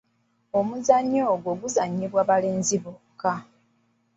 Omuzannyo ogwo guzannyibwa balenzi bokka.